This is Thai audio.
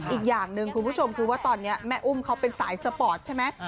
อีกอย่างหนึ่งคุณผู้ชมคือว่าตอนนี้แม่อุ้มเขาเป็นสายสปอร์ตใช่ไหม